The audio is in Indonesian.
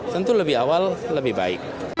tentu lebih awal lebih baik